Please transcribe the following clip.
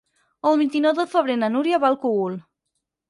El vint-i-nou de febrer na Núria va al Cogul.